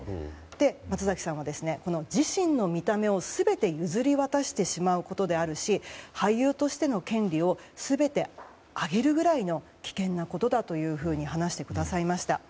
松崎さんは自身の見た目を全て譲り渡してしまうことであるし俳優としての権利を全てあげるぐらいの危険なことだと話してくださいました。